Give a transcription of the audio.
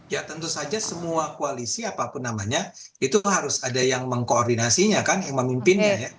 ya tentu saja semua koalisi apapun namanya itu harus ada yang mengkoordinasinya kan yang memimpinnya ya